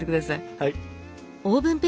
はい。